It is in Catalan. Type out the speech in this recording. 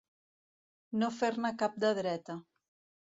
No fer-ne cap de dreta.